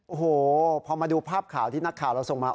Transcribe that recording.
โอ้โหพอมาดูภาพข่าวที่นักข่าวเราส่งมา